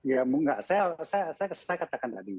ya enggak saya katakan tadi